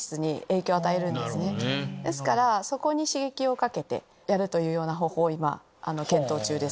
ですからそこに刺激をかけてやるような方法を今検討中です。